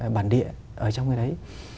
bản địa ở trong cái đấy